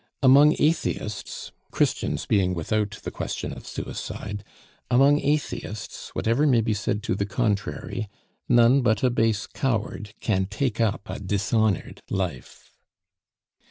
Among atheists Christians being without the question of suicide among atheists, whatever may be said to the contrary, none but a base coward can take up a dishonored life.